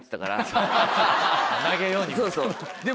投げようにも。